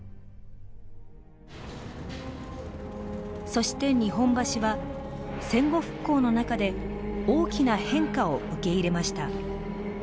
そして日本橋は戦後復興の中で大きな変化を受け入れました。